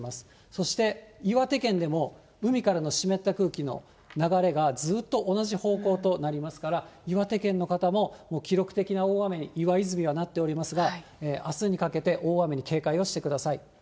そして岩手県でも海からの湿った空気の流れがずっと同じ方向となりますから、岩手県の方も記録的な大雨に、岩泉はなっておりますが、あすにかけて大雨に警戒をしてください。